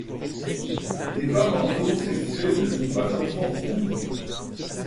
Des parents homosexuels ne font pas d'enfants fous.